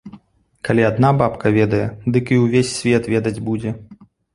Калі адна баба ведае, дык і ўвесь свет ведаць будзе.